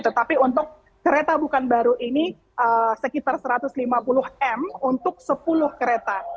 tetapi untuk kereta bukan baru ini sekitar satu ratus lima puluh m untuk sepuluh kereta